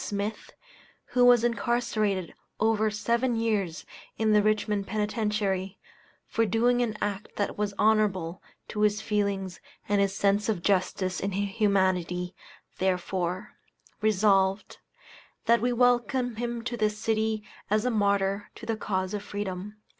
Smith, who was incarcerated over seven years in the Richmond Penitentiary, for doing an act that was honorable to his feelings and his sense of justice and humanity, therefore, Resolved, That we welcome him to this city as a martyr to the cause of Freedom.